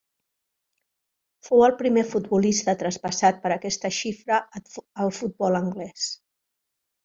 Fou el primer futbolista traspassat per aquesta xifra al futbol anglès.